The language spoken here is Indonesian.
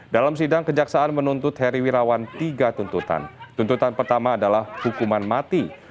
dalam sidang kejaksaan menuntut heri wirawan tiga tuntutan tuntutan pertama adalah hukuman mati